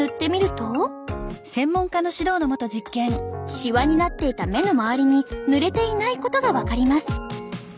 シワになっていた目の周りに塗れていないことが分かります。